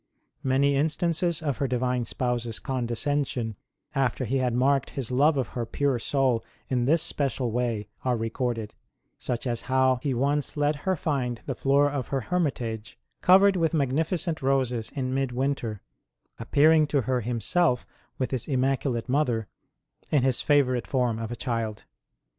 Many instances of her Divine Spouse s condescension after He had marked His love of her pure soul in this special way are recorded : such as how He once let her find the floor of her hermitage covered with magnificent roses in mid winter, appearing to her Himself, with His immaculate Mother, in His favourite form of a child.